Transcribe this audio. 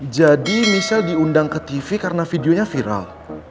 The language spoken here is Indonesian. jadi michelle diundang ke tv karena videonya viral